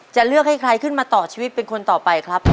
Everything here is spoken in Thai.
จะเลือกให้ใครขึ้นมาต่อชีวิตเป็นคนต่อไปครับ